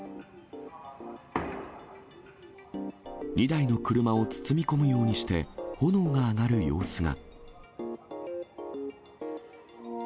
２台の車を包み込むようにして炎が上がる様子が。